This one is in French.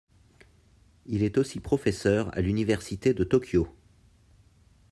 Il est aussi professeur à l’université de Tokyo.